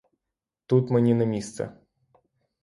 Тут мені не місце.